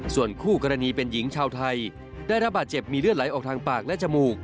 ส่วนคู่กรณีเป็นหญิงชาวไทยได้รับบาดเจ็บมีเลือดไหลออกทางปากและจมูก